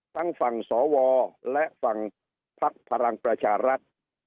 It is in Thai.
ทั้งฝั่งสวและฝั่งพักพลังประชารัฐ